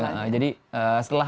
berapa saja jadi setelah